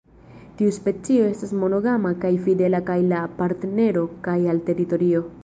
Tiu specio estas monogama kaj fidela kaj al partnero kaj al teritorio.